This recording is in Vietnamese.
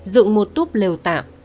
dụng một túp lều tạm